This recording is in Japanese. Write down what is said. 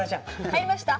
入りました？